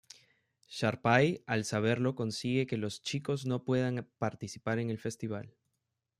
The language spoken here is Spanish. Sharpay al saberlo consigue que los chicos no puedan participar en el festival.